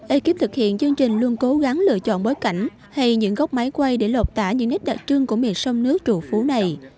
ekip thực hiện chương trình luôn cố gắng lựa chọn bối cảnh hay những góc máy quay để lột tả những nét đặc trưng của miền sông nước trụ phú này